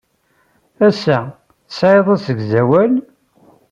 Ass-a, tesɛid asegzawal?